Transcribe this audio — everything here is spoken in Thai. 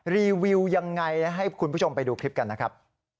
รีวิวยังไงให้คุณผู้ชมไปดูคลิปกันนะครับ